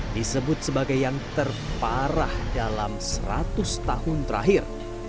disebut sebagai yang terparah dalam seratus tahun terakhir